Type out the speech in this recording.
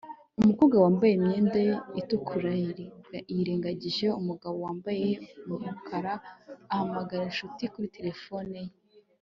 Umukobwa wambaye imyenda itukura yirengagije umugabo wambaye umukara ahamagara inshuti kuri terefone ye